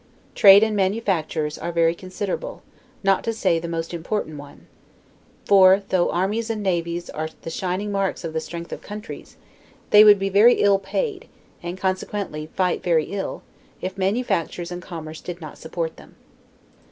Trade and manufactures are very considerable, not to say the most important ones; for, though armies and navies are the shining marks of the strength of countries, they would be very ill paid, and consequently fight very ill, if manufactures and commerce did not support them.